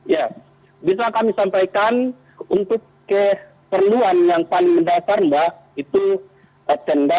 ya bisa kami sampaikan untuk keperluan yang paling mendasar mbak itu tenda